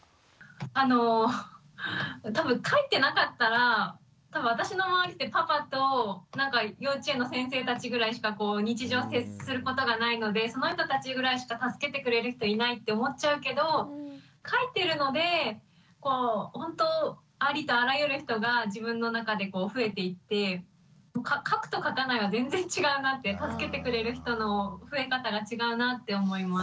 あの多分書いてなかったら多分私の周りってパパと幼稚園の先生たちぐらいしか日常接することがないのでその人たちぐらいしか助けてくれる人いないって思っちゃうけど書いてるのでほんとありとあらゆる人が自分の中で増えていって書くと書かないは全然違うなって助けてくれる人の増え方が違うなって思います。